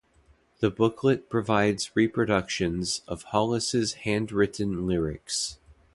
The booklet provides reproductions of Hollis' handwritten lyrics.